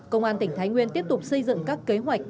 công an tỉnh thái nguyên tiếp tục xây dựng các kế hoạch